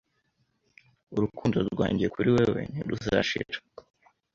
Urukundo rwanjye kuri wewe ntiruzashira.